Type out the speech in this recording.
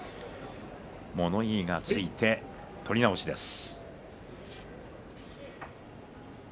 物言いがついて取り直しです。